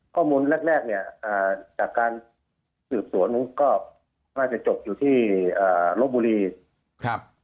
ข้อมูลแรกแรกเนี่ยจากการสืบสวนก็น่าจะจบอยู่ที่ลบบุรีครับ